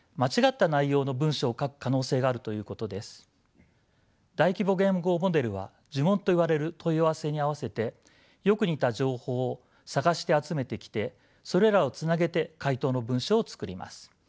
一つは大規模言語モデルは呪文といわれる問い合わせに合わせてよく似た情報を探して集めてきてそれらをつなげて回答の文章を作ります。